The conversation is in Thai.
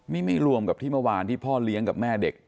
นี่ไม่รวมกับที่เมื่อวานที่พ่อเลี้ยงกับแม่เด็ก